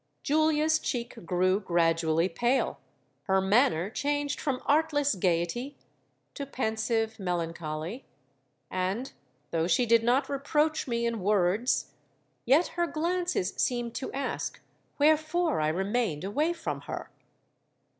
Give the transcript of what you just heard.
Julia's cheek grew gradually pale; her manner changed from artless gaiety to pensive melancholy; and, though she did not reproach me in words, yet her glances seemed to ask wherefore I remained away from her!